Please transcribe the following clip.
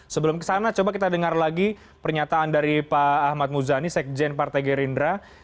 sebelum kesana coba kita dengar lagi pernyataan dari pak ahmad muzani sekjen partai gerindra